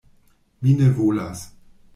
Mi ne volas.